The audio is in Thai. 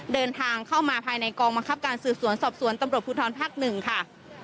เดินทางเข้ามาภายในกองบังคับการสืบสวนสอบสวนตำรวจภูทรภาค๑ค่ะ